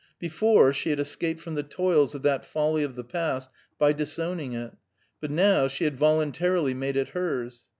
Before, she had escaped from the toils of that folly of the past by disowning it; but now, she had voluntarily made it hers.